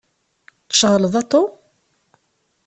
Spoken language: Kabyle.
Tceɣleḍ, a Tom?